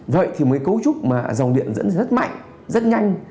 vậy thì mới cấu trúc mà dòng điện dẫn rất mạnh rất nhanh